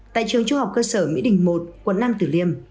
tại trường trung học cơ sở mỹ đình một quận năm tử liêm